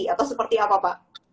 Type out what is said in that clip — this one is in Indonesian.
atau seperti apa pak